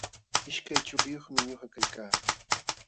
Ishkay chuliyumi ñuqa kaykaa.